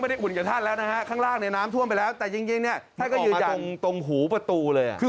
มันออกมาตรงหูประตูเลย